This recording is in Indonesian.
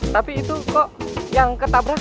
tapi itu kok yang ketabrus